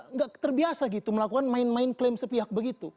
nggak terbiasa gitu melakukan main main klaim sepihak begitu